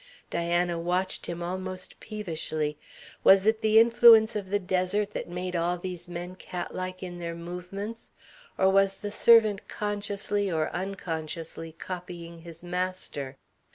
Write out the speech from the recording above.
Diana watched him almost peevishly. Was it the influence of the desert that made all these men cat like in their movements, or was the servant consciously or unconsciously copying his master?